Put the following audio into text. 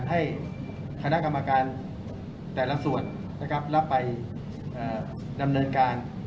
ให้คณะกรรมการแต่ละส่วนนะครับรับไปดำเนินการ